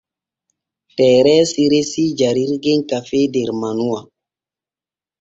Tereesi resii jarirgel kafee der manuwa.